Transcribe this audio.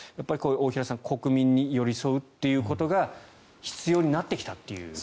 大平さん国民に寄り添うということが必要になってきたという。